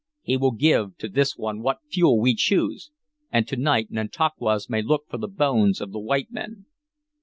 We will give to this one what fuel we choose, and to night Nantauquas may look for the bones of the white men!"